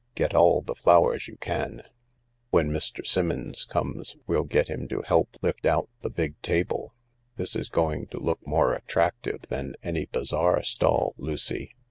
" Get all the flowers you can. When Mr. Simmons comes we'll get him to help lift out the big table. This is going to look more attractive than any bazaar stall, Lucy.